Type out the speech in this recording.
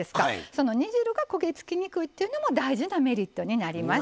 その煮汁が焦げ付きにくいっていうのも大事なメリットになります。